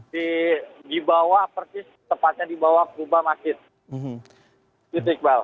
di bawah persis tepatnya di bawah kubah masjid iqbal